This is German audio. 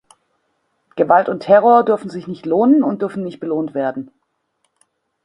Gewalt und Terror dürfen sich nicht lohnen und dürfen nicht belohnt werden.